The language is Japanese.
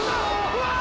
うわ！